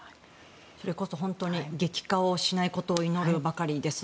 それこそ本当に激化しないことを祈るばかりです。